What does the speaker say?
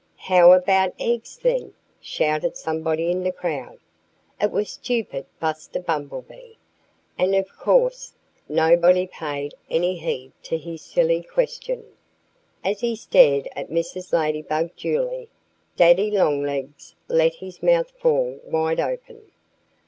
"How about eggs, then?" shouted somebody in the crowd. It was stupid Buster Bumblebee! And of course nobody paid any heed to his silly question. As he stared at Mrs. Ladybug dully Daddy Longlegs let his mouth fall wide open.